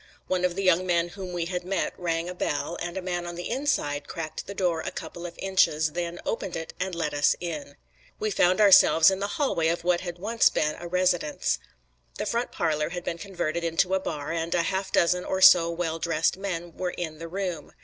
One of the young men whom we had met rang a bell, and a man on the inside cracked the door a couple of inches; then opened it and let us in. We found ourselves in the hallway of what had once been a residence. The front parlor had been converted into a bar, and a half dozen or so well dressed men were in the room.